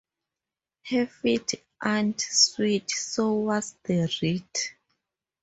Her feet ain't sweet so what's the reet?